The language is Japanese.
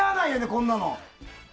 こんなの。